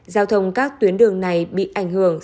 giao thông các tuyến đường này bị ảnh hưởng